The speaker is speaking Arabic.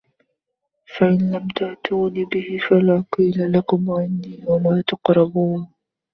فإن لم تأتوني به فلا كيل لكم عندي ولا تقربون